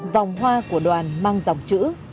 vòng hoa của đoàn mang dòng chữ